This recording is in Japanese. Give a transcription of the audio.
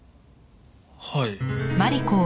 はい。